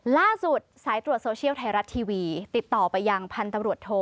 ล่าสุดสายตรวจโซเชียลไทยรัฐทีวีติดต่อไปยังพันธบรวจโท